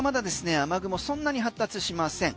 雨雲はそんなに発達しません。